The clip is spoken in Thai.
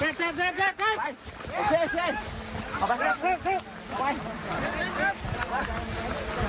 หลบลุกล่าวลุกล่าวลุกล่าวลุกล่าวลุกล่าว